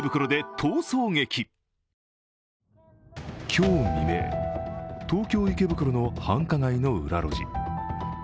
今日未明、東京・池袋の繁華街の裏路地。